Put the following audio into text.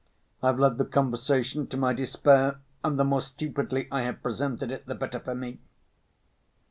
I've led the conversation to my despair, and the more stupidly I have presented it, the better for me."